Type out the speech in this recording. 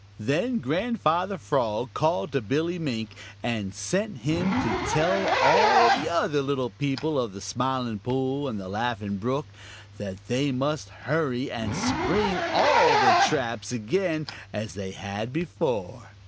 Then Grandfather Frog called to Billy Mink and sent him to tell all the other little people of the Smiling Pool and the Laughing Brook that they must hurry and spring all the traps again as they had before.